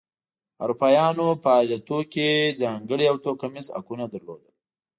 اروپایانو په ایالتونو کې ځانګړي او توکمیز حقونه لرل.